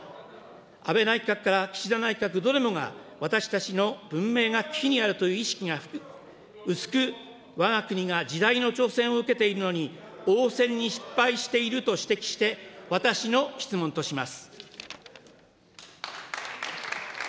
安倍内閣から岸田内閣、どれもが私たちの文明が危機にあるという意識が薄く、わが国が時代の挑戦を受けているのに、応戦に失敗していると指摘して、私の質問とします。